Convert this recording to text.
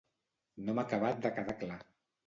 No m'ha acabat de quedar clar.